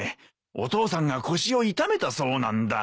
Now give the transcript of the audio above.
お父さんが腰を痛めたそうなんだ。